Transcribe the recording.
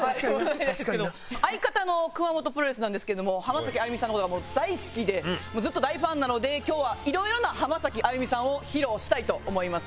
相方の熊元プロレスなんですけども浜崎あゆみさんの事が大好きでずっと大ファンなので今日はいろいろな浜崎あゆみさんを披露したいと思います。